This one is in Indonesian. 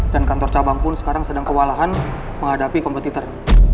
dan kantor cabang pun sekarang sedang kewalahan menghadapi kompetitor